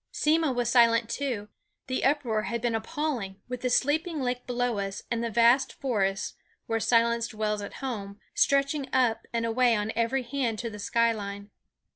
Simmo was silent too; the uproar had been appalling, with the sleeping lake below us, and the vast forest, where silence dwells at home, stretching up and away on every hand to the sky line.